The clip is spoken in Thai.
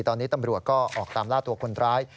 ตอนนี้ตำรวจก็ออกตามล่าตัวคนร้าย